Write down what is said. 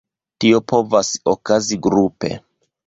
Tio povas okazi grupe.